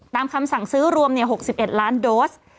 คำสั่งซื้อรวม๖๑ล้านโดส